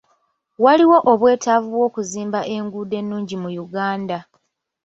Waliwo obwetaavu bw'okuzimba enguudo ennungi mu Uganda.